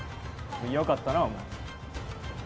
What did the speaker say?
よかったなお前。